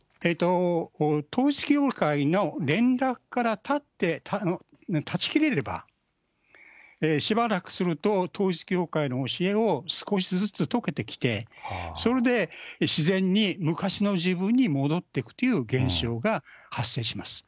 統一教会の連絡から断ち切れれば、しばらくすると統一教会の教えを少しずつ解けてきて、それで自然に昔の自分に戻っていくという現象が発生します。